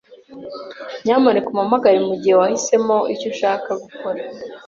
Nyamuneka umpamagare mugihe wahisemo icyo ushaka gukora.